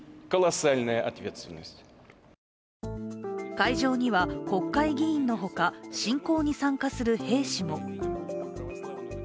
会場には、国会議員の他侵攻に参加する兵士も。